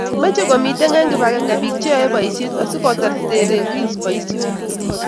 Meche komiten eng kibagenge biiko cheyoe boisiet asigoterter ogis boisionik